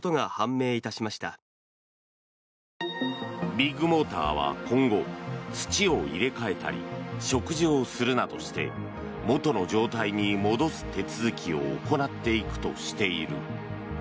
ビッグモーターは今後土を入れ替えたり植樹をするなどして元の状態に戻す手続きを行っていくとしている。